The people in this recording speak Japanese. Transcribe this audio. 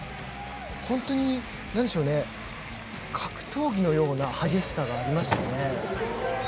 本当に、格闘技のような激しさがありましたね。